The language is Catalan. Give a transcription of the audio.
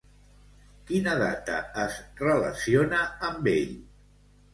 Quina data es relaciona amb ell?